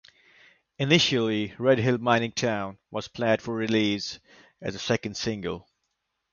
Initially, "Red Hill Mining Town" was planned for release as the second single.